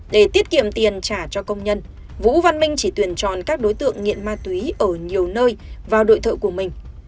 để tiết kiệm tiền trả cho công nhân vũ văn minh chỉ tuyển chọn các đối tượng nghiện ma túy ở nhiều nơi vào đội thợ của mình